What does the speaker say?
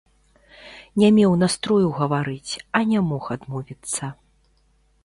Не меў настрою гаварыць, а не мог адмовіцца.